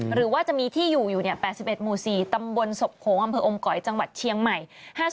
หรือว่าจะมีที่อยู่อยู่๘๑หมู่๔ตำบลศพโขงอำเภออมก๋อยจังหวัดเชียงใหม่